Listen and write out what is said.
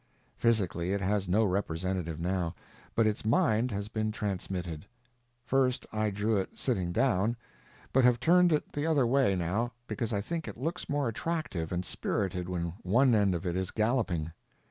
Physically it has no representative now, but its mind has been transmitted. First I drew it sitting down, but have turned it the other way now because I think it looks more attractive and spirited when one end of it is galloping.